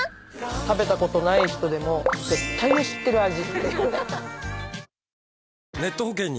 食べたことない人でも絶対に知ってる味。